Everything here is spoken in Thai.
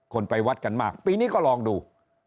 ไปวัดกันมากปีนี้ก็ลองดู